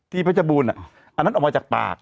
ที่พระจบูลอันนั้นออกมาจากปาก